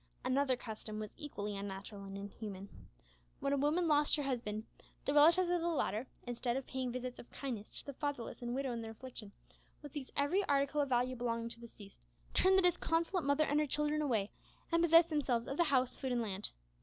Another custom was equally unnatural and inhuman. When a woman lost her husband, the relatives of the latter, instead of paying visits of kindness to the fatherless and widow in their affliction, would seize every article of value belonging to the deceased, turn the disconsolate mother and her children away, and possess themselves of the house, food, and land.